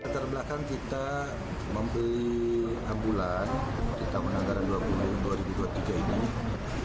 terbelakang kita membeli ambulans di tahun anggaran dua ribu dua puluh tiga ini